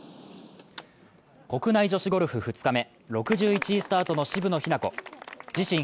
国内女子ゴルフ２日目、６１位スタートの渋野日向子自身